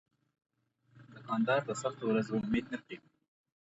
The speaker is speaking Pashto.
دوکاندار د سختو ورځو امید نه پرېږدي.